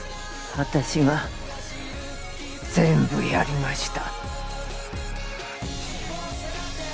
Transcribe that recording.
私が全部やりました。